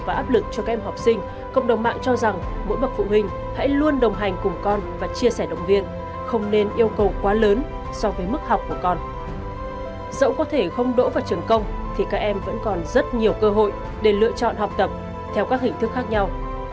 vì vậy dù có thể không đổ vào trường công các em vẫn còn rất nhiều cơ hội để lựa chọn học tập theo các hình thức khác nhau